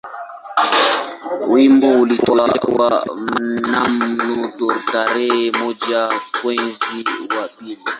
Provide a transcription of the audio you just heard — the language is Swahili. Wimbo ulitolewa mnamo tarehe moja mwezi wa pili